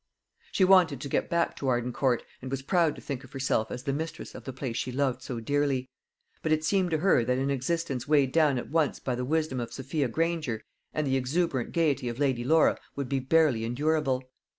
She wanted to get back to Arden Court, and was proud to think of herself as the mistress of the place she loved so dearly; but it seemed to her that an existence weighed down at once by the wisdom of Sophia Granger and the exuberant gaiety of Lady Laura would be barely endurable.